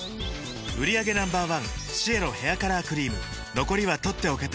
売上№１シエロヘアカラークリーム残りは取っておけて